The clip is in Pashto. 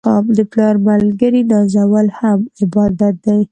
د پلار ملګري نازول هم عبادت دی.